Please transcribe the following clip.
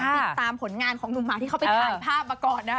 ติดตามผลงานของหนุ่มหมากที่เขาไปถ่ายภาพมาก่อนนะ